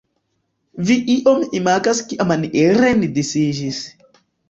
Vi iom imagas kiamaniere ni disiĝis.